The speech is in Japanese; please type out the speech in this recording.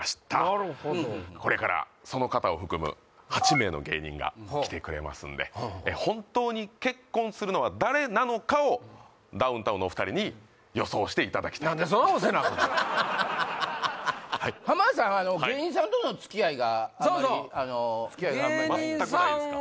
なるほどこれからその方を含む８名の芸人が来てくれますんで本当に結婚するのは誰なのかをダウンタウンのお二人に予想していただきたい浜田さん芸人さんとの付き合いがあんまりそうそう芸人さんは全くないんすか？